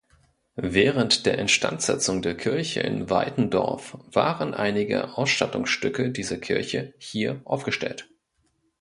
Während der Instandsetzung der Kirche in Weitendorf waren einige Ausstattungsstücke dieser Kirche hier aufgestellt.